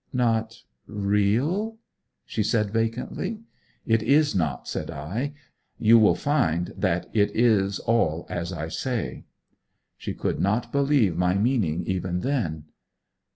'Not real?' she said vacantly. 'It is not,' said I. 'You will find that it is all as I say.' She could not believe my meaning even then.